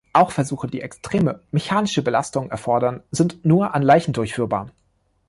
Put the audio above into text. Auch Versuche, die extreme, mechanische Belastungen erfordern, sind nur an Leichen durchführbar.